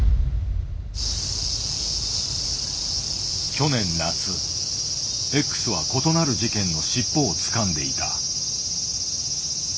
去年夏Ｘは異なる事件の尻尾をつかんでいた。